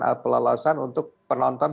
atau pelolosan untuk penonton